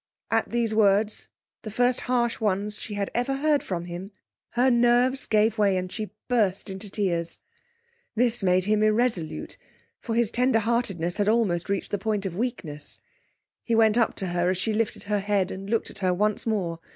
At these words, the first harsh ones she had ever heard from him, her nerves gave way, and she burst into tears. This made him irresolute, for his tender heartedness almost reached the point of weakness. He went up to her, as she lifted her head, and looked at her once more.